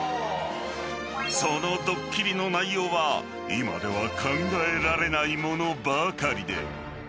［そのどっきりの内容は今では考えられないものばかりで］